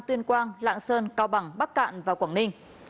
tuyên quang lạng sơn cao bằng bắc cạn và quảng ninh